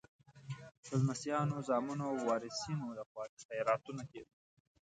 د لمسیانو، زامنو او وارثینو لخوا خیراتونه کېدل.